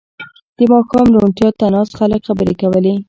• د ماښام روڼتیا ته ناست خلک خبرې کولې.